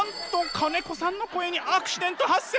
金子さんの声にアクシデント発生。